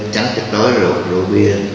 tránh chất đối rượu bia